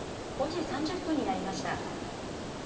５時３０分になりました。